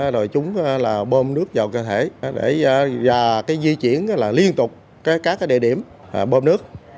rồi chúng bơm nước vào cơ thể để di chuyển liên tục các địa điểm bơm nước